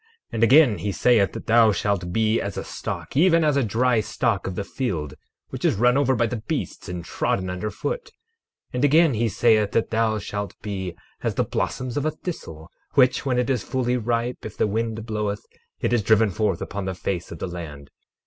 12:11 And again, he saith that thou shalt be as a stalk, even as a dry stalk of the field, which is run over by the beasts and trodden under foot. 12:12 And again, he saith thou shalt be as the blossoms of a thistle, which, when it is fully ripe, if the wind bloweth, it is driven forth upon the face of the land.